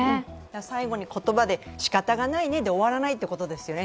最後に言葉でしかたがないねで終わらないということですよね。